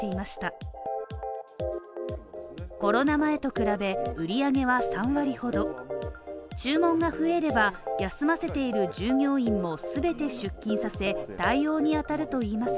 一方、コロナ前と比べ売り上げは３割ほど注文が増えれば休ませている従業員も全て出勤させ対応にあたるといいます。